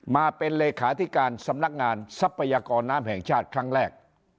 มาเป็นเลขาธิการสำนักงานทรัพยากรน้ำแห่งชาติครั้งแรก